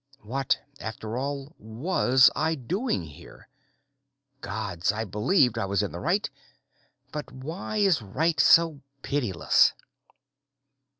What, after all, was I doing here? Gods, I believed I was in the right, but why is right so pitiless?